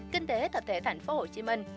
kinh tế tập thể thành phố hồ chí minh